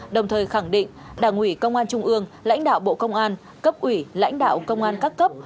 đồng thời khẳng định đảng ủy công an trung ương lãnh đạo bộ công an cấp ủy lãnh đạo công an các cấp